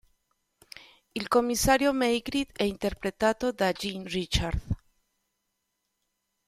Il commissario Maigret è interpretato da Jean Richard.